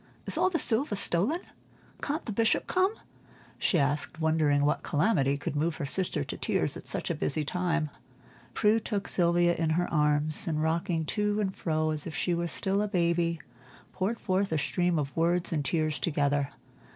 Is all the silver stolen? Can't the Bishop come?" she asked, wondering what calamity could move her sister to tears at such a busy time. Prue took Sylvia in her arms, and rocking to and fro as if she were still a baby, poured forth a stream of words and tears together.